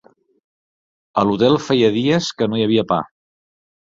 A l'hotel feia dies que no hi havia pa